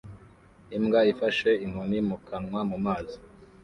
Imbwa ifashe inkoni mu kanwa mu mazi